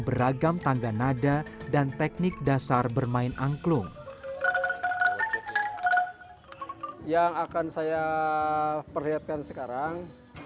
beragam tangga nada dan teknik dasar bermain angklung yang akan saya perlihatkan sekarang